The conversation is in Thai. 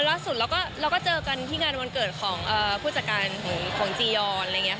ล่าสุดเราก็เจอกันที่งานวันเกิดของผู้จัดการของจียอน